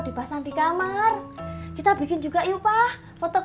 dipasang di kamar kita bikin juga yuk pak foto